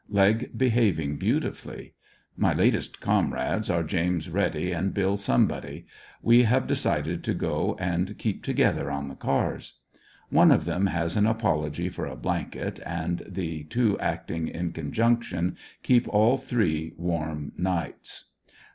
Leg behaving beautifully. My latest comrades are James Ready and Bill Somebody. We have decided to go and keep together on the cars. One of them has an apology for a blanket, and the two acting in conjunction keep all three warm nights.